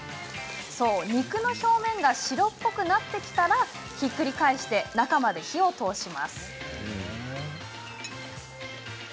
肉の表面が白っぽくなってきたらひっくり返して中まで火を通します。